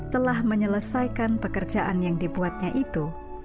telah menyelesaikan pekerjaan yang dibuatnya itu